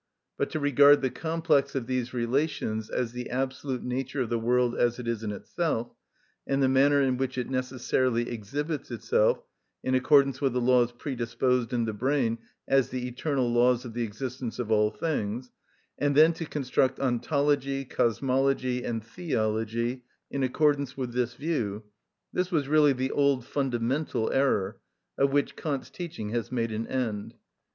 But to regard the complex of these relations as the absolute nature of the world as it is in itself, and the manner in which it necessarily exhibits itself in accordance with the laws predisposed in the brain as the eternal laws of the existence of all things, and then to construct ontology, cosmology, and theology in accordance with this view—this was really the old fundamental error, of which Kant's teaching has made an end.